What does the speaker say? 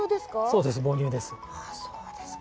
そうです母乳です。